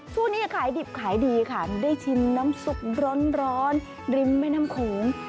ช่วงนี้ขายดิบขายดีค่ะได้ชิมน้ำซุปร้อนริมแม่น้ำโขง